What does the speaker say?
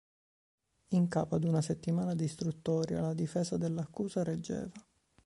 In capo ad una settimana d'istruttoria, la difesa dell'accusata reggeva.